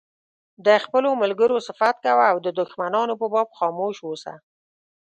د خپلو ملګرو صفت کوه او د دښمنانو په باب خاموش اوسه.